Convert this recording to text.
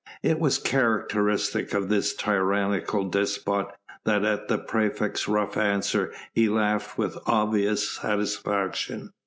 It was characteristic of this tyrannical despot that at the praefect's rough answer he laughed with obvious satisfaction.